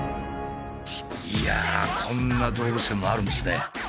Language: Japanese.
いやあこんな動物園もあるんですね。